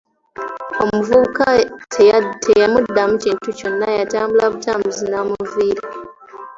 Omuvubuka teyamuddamu kintu kyonna yatambula butambuzi n’amuviira.